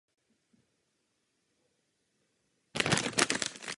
Druhý oltář zasvěcený Panně Marii pochází ze druhé čtvrtiny osmnáctého století.